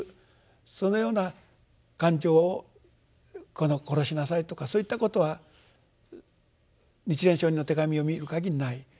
そのような感情を殺しなさいとかそういったことは日蓮聖人の手紙を見るかぎりない。